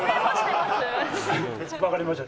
分かりました。